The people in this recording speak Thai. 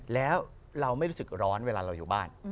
แล้วเราไม่รู้สึกร้อนเวลาเราอยู่บ้าน